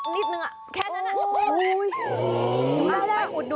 นิดหนึ่งแค่นั้นน่ะ